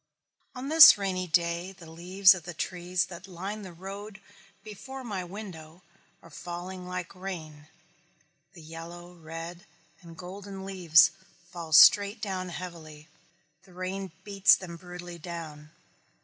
On this rainy day the leaves of the trees that line the road before my window are falling like rain, the yellow, red, and golden leaves fall straight down heavily. The rain beats them brutally down.